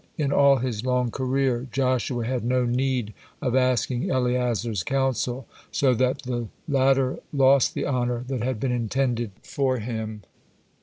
In all his long career, Joshua had no need of asking Eleazar's counsel, so that the latter lost the honor that had been intended from him.